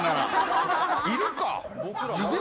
いるか？